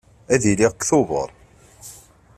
Ad d-iliɣ deg Tubeṛ.